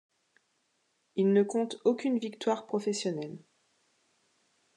Il ne compte aucune victoire professionnelle.